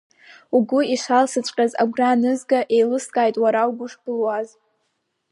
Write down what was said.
Угәы ишалсыҵәҟьаз агәра анызга, еилыскааит уара угәы шбылуаз.